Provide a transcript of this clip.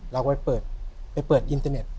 เราก็ไปเปิดไปเปิดอินเทอร์เน็ต